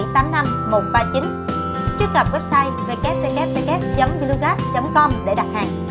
truy cập website www glugas com để đặt hàng